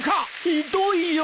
ひどいよ。